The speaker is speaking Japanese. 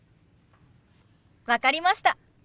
分かりました。